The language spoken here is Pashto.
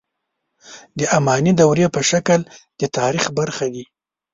د اماني دورې په شکل د تاریخ برخه دي.